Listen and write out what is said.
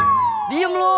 yang penting lu mengusaha